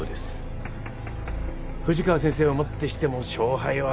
富士川先生をもってしても勝敗は。